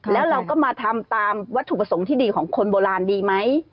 แล้วเราก็มาทำตามวัตถุประสงค์ที่ดีของคนโบราณดีไหม